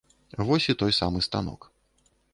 Вось і той самы станок.